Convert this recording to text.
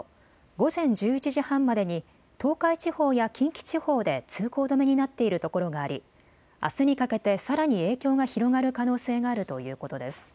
午前１１時半までに東海地方や近畿地方で通行止めになっているところがありあすにかけてさらに影響が広がる可能性があるということです。